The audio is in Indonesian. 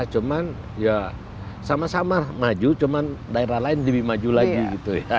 cuman ya sama sama maju cuma daerah lain lebih maju lagi gitu ya